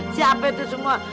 siapa itu semua